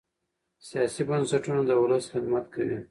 سیاسي بنسټونه د ولس خدمت کوي